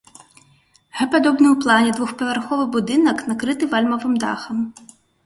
Г-падобны ў плане двухпавярховы будынак накрыты вальмавым дахам.